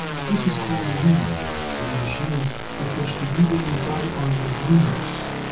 This is called weaving, and the machines with which the weaving is done are the looms.